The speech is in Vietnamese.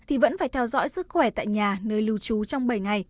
thì vẫn phải theo dõi sức khỏe tại nhà nơi lưu trú trong bảy ngày